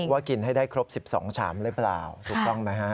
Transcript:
กินให้ได้ครบ๑๒ชามหรือเปล่าถูกต้องไหมฮะ